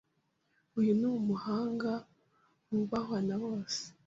Uyu ni umuhanga wubahwa na bose.